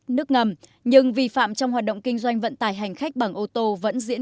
nước ngầm nhưng vi phạm trong hoạt động kinh doanh vận tải hành khách bằng ô tô vẫn diễn